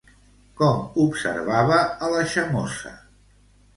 Com observava a la Xamosa?